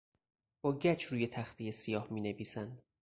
با گچ روی تختهی سیاه مینویسند.